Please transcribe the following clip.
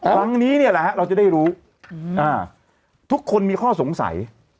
ครั้งนี้เนี่ยแหละฮะเราจะได้รู้ทุกคนมีข้อสงสัย